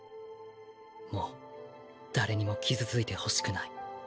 もう誰にも傷ついてほしくない。